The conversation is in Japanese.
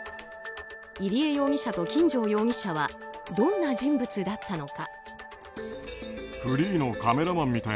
入江容疑者と金城容疑者はどんな人物だったのか。